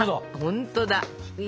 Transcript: ほんとだ！